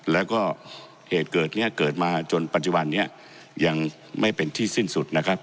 แล้วก็เหตุเกิดนี้เกิดมาจนปัจจุบันนี้ยังไม่เป็นที่สิ้นสุดนะครับ